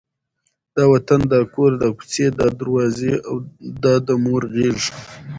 دا وطن، دا کور، دا کوڅې، دا دروازې، دا د مور غېږ،